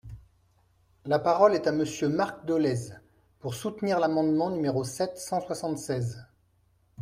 La parole est à Monsieur Marc Dolez, pour soutenir l’amendement numéro sept cent soixante-seize.